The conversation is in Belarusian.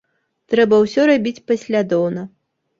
Трэба ўсё рабіць паслядоўна.